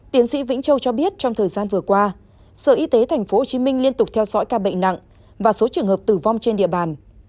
tiến sĩ vĩnh châu cho biết trong thời gian vừa qua sở y tế tp hcm liên tục theo dõi ca bệnh nặng và số trường hợp tử vong trên địa bàn